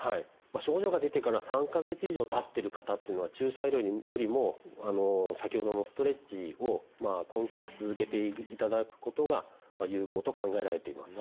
症状が出てから３か月以上たってる方っていうのは注射よりも先ほどのストレッチを根気よく続けていただくことが有効と考えられています。